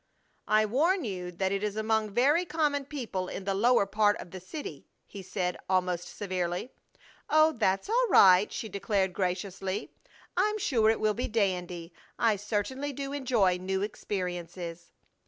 "I warn you that it is among very common people in the lower part of the city," he said, almost severely. "Oh, that's all right!" she declared, graciously. "I'm sure it will be dandy! I certainly do enjoy new experiences!"